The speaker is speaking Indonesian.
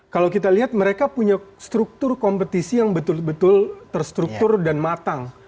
kalau kita lihat mereka punya struktur kompetisi yang betul betul terstruktur dan matang